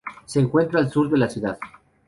Se encuentra al sur de la ciudad.